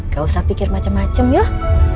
gak usah pikir macem macem yuk